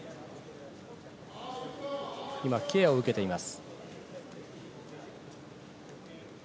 今ケアを受けています。